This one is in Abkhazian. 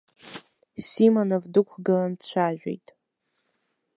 Симонов дықәгылан дцәажәеит.